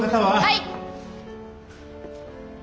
はい！